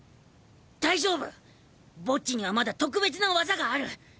大丈夫ボッジにはまだ特別な技がある！